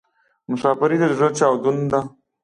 مسافري د ﺯړه چاودون ده